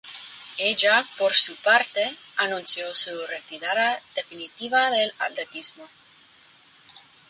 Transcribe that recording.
Ella, por su parte, anunció su retirada definitiva del atletismo.